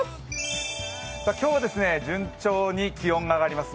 今日は順調に気温が上がります。